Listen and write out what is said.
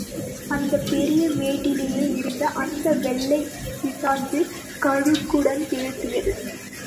அந்தப் பெரிய மேட்டிலே இருந்த அந்த வெள்ளைப் பிசாசு, கழுகுடன் பேசியது.